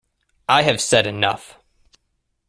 I have said enough.